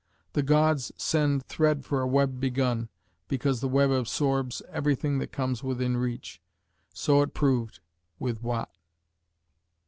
"The gods send thread for a web begun," because the web absorbs everything that comes within reach. So it proved with Watt.